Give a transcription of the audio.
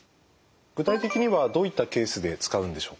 具体的にはどういったケースで使うんでしょうか？